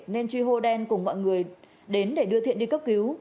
nên truy hô đen cùng mọi người đến để đưa thiện đi cấp cứu